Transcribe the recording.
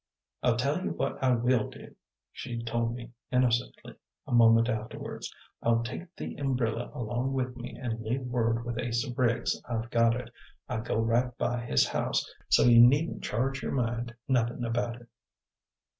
"I'll tell you what I will do," she told me innocently, a moment afterwards. "I'll take the umbrilla along with me, and leave word with Asa Briggs I've got it. I go right by his house, so you needn't charge your mind nothin' about it."